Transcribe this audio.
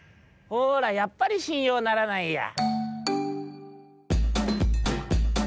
「ほらやっぱりしんようならないや」。